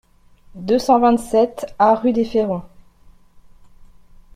deux cent vingt-sept A rue des Ferrons